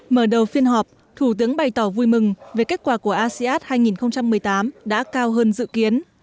mở đầu phiên họp thủ tướng bày tỏ vui mừng về kết quả của asean hai nghìn một mươi tám đã cao hơn dự kiến